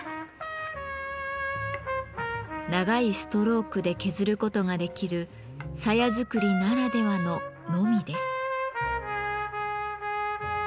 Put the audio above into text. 長いストロークで削ることができる鞘作りならではののみです。